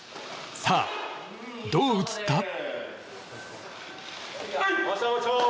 さあ、どう映った？